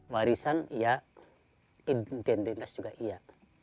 warisan ya identitas juga iya